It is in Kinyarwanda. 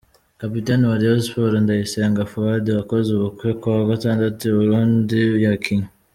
Kapiteni wa Rayon Sports, Ndayisenga Fuad wakoze ubukwe kuwa Gatandatu i Burundi yakinnye.